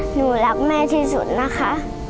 หนูรักแม่ที่สุดนะคะ